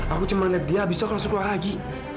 aku cuma liat dia abis itu aku langsung keluar lagi